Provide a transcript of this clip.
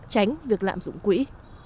tránh việc lạm dụng quỹ